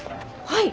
はい！